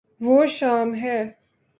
وہ شام ہے